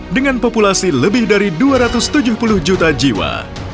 dengan populasi lebih dari dua ratus tujuh puluh juta jiwa